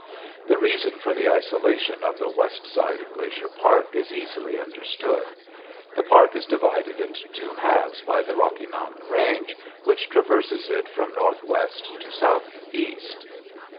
The reason for the isolation of the west side of Glacier Park is easily understood. The park is divided into two halves by the Rocky Mountain range, which traverses it from northwest to southeast.